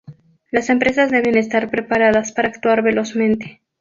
Las empresas deben estar preparadas para actuar velozmente.